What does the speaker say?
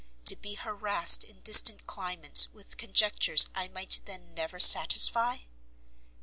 to be harassed in distant climates with conjectures I might then never satisfy?